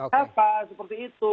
kenapa seperti itu